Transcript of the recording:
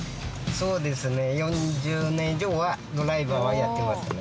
そうですね４０年以上はドライバーはやってますね。